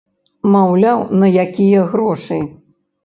Маўляў, на якія грошы?